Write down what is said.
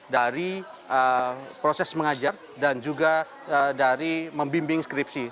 dari proses mengajar dan juga dari membimbing skripsi